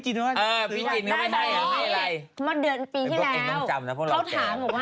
นี่ไงเขาบอกออกสือเลยนะ